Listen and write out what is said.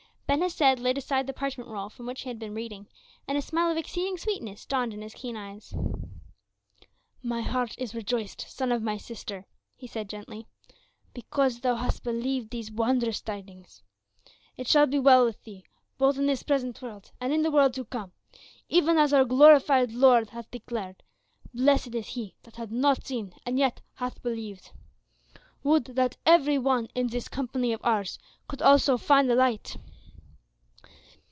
Ben Hesed laid aside the parchment roll from which he had been reading, and a smile of exceeding sweetness dawned in his keen eyes. "My heart is rejoiced, son of my sister," he said gently, "because thou hast believed these wondrous tidings. It shall be well with thee, both in this present world and in the world to come; even as our glorified Lord hath declared, 'Blessed is he that hath not seen and yet hath believed.' Would that every one in this company of ours could also find the light."